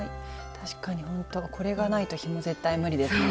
確かにほんとこれがないとひも絶対無理ですね。